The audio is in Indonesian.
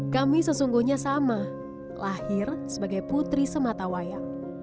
kami sesungguhnya sama lahir sebagai putri sematawayang